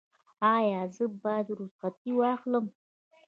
ایا زه باید رخصتي واخلم؟